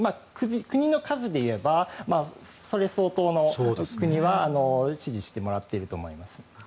国の数で言えばそれ相当の国は支持してもらってると思います。